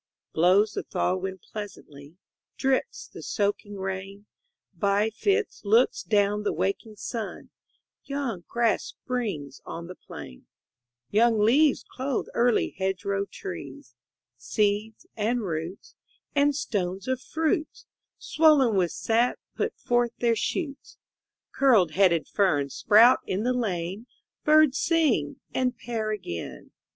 Blows the thaw wind pleasantly, Drips the soaking rain, By fits looks down the waking sun: Young grass springs on the plain; Young leaves clothe early hedgerow trees; Seeds, and roots, and stones of fruits, Swollen with sap, put forth their shoots; Curled headed ferns sprout in the lane; Birds sing and pair again.